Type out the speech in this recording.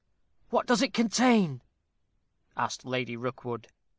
"What does it contain?" asked Lady Rookwood.